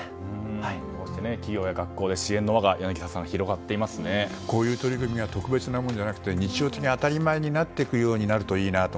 柳澤さん、こうして企業や学校で支援の輪がこういう取り組みが特別なものじゃなくて日常的に当たり前になっていくようになるといいなと。